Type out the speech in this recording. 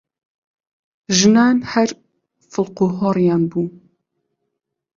ژنان هەر فڵقوهۆڕیان بوو!